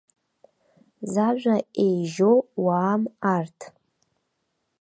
Зажәа еижьо уаам арҭ.